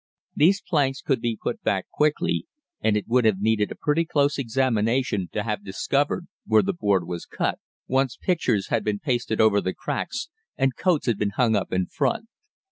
These planks could be put back quickly, and it would have needed a pretty close examination to have discovered where the board was cut, once pictures had been pasted over the cracks and coats had been hung up in front.